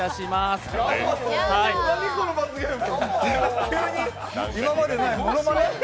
何この罰ゲーム！？